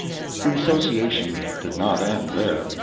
The association did not end there.